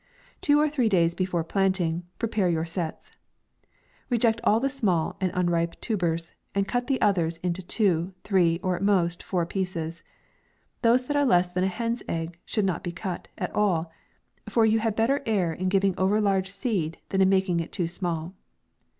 Two or three days before planting, pre pare your sets. Reject all the small and un ripe tubers, and cut the others into two, three, or at most, four pieces. Those that are less than a hen's egg should not be cut at all, for you had better err in giving over large seed, than in making it too small.